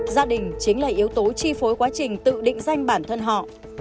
gia đình chính là yếu tố chi phối quá trình tự định danh bản thân họ